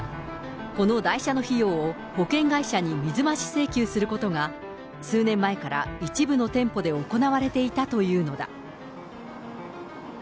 この代車の費用を、保険会社に水増し請求することが、数年前から一部の店舗で行われていたというのだ。